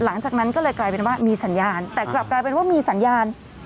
หลังจากนั้นก็เลยกลายเป็นว่ามีสัญญาณแต่กลับกลายเป็นว่ามีสัญญาณ